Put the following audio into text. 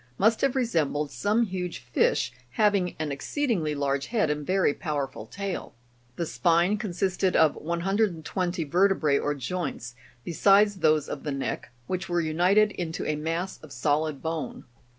81), must have resembled some huge fish, having an exceedingly large head and very powerful tail. The spine consisted of 120 Fig. 81. I'chtliyosau'rus communis. vertebrse or joints, besides those of the neck, which were united into a mass of solid bone.